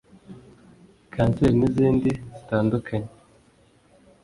kanseri n’izindi zitandukanye